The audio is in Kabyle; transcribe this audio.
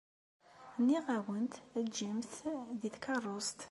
Nniɣ-awent ǧǧemt-t deg tkeṛṛust.